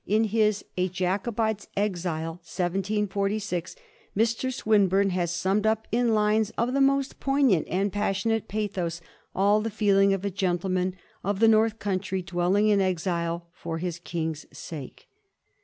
In his "A Jacobite's Exile, 1746," Mr. Swinburne has summed up in lines of the most poignant and passionate pathos all the feeling of a gentleman of the North Coun try dwelling in exile for his king's sake.